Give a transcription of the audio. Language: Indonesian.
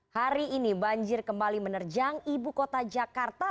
hari ini banjir kembali menerjang ibu kota jakarta